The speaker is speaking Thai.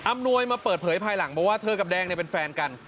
นวยมาเปิดเผยภายหลังบอกว่าเธอกับแดงเนี่ยเป็นแฟนกัน